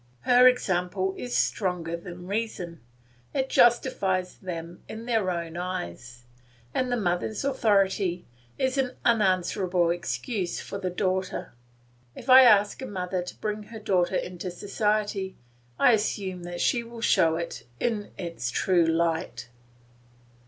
Her example is stronger than reason; it justifies them in their own eyes, and the mother's authority is an unanswerable excuse for the daughter. If I ask a mother to bring her daughter into society, I assume that she will show it in its true light.